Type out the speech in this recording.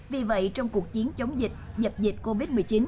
vì vậy trong cuộc chiến chống dịch dập dịch covid một mươi chín